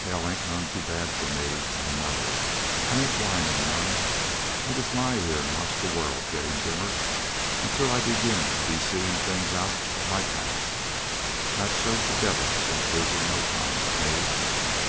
"Hell ain't none too bad for me, I know. I ain't whining none. I just lie here and watch the world getting dimmer until I begin to be seeing things out of my past. That shows the devil ain't losing no time with me.